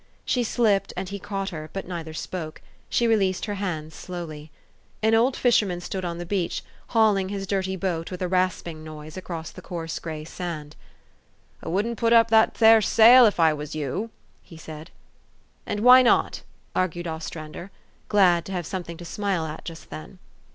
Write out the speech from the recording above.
She slipped, and he caught her, but neither spoke : she released her hands slowly. An old fisherman stood on the beach, hauling his dirty boat, with a rasping noise, across the coarse gray sand. THE STORY OF AVIS. 345 " I wouldn't put up that there sail ef I was yeou," he said. " And why not? " argued Ostrander, glad to have something to smile at just then.